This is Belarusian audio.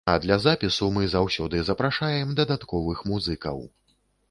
А для запісу мы заўсёды запрашаем дадатковых музыкаў.